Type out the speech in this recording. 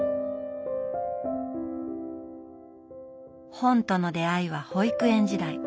本との出会いは保育園時代。